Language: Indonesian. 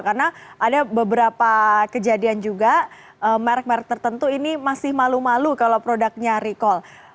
karena ada beberapa kejadian juga merek merek tertentu ini masih malu malu kalau produknya recall